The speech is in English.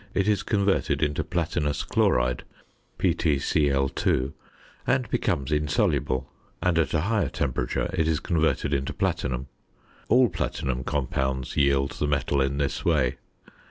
it is converted into platinous chloride, PtCl_, and becomes insoluble, and at a higher temperature it is converted into platinum. All platinum compounds yield the metal in this way.